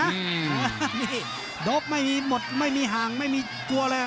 นี่ดกไม่มีหมดไม่มีห่างไม่มีกลัวเลย